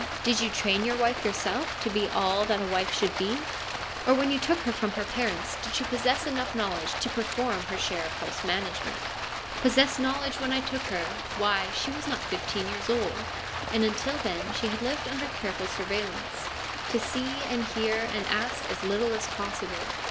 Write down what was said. Did you train your wife yourself to be all that a wife should be ? Or, when you took her from her parents, did she possess enough knowledge to perform her share of house management ?'' Possess knowledge when I took her ? Why, she was not fifteen years old, and until then she had lived under careful surveillance — to see and hear, and ask as little as possible.